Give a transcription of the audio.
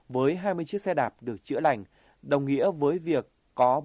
với hai mươi chiếc xe đạp được chữa lành đồng nghĩa với việc có